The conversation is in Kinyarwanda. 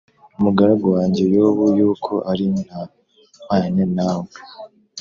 umugaragu wanjye Yobu, yuko ari nta wuhwanye na we